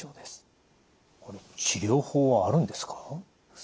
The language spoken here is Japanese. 治療法はあるんですか？